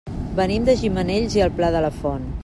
Venim de Gimenells i el Pla de la Font.